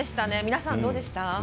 皆さん、どうでした？